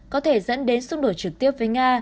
có thể dẫn đến xung đột trực tiếp với nga